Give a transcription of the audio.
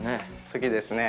好きですね。